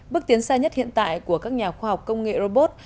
bước tiến xa nhất hiện tại của các nhà khoa học công nghệ robot